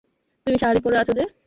তুমি শাড়ি পরে আছো যে?